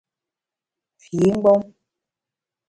Fi mgbom !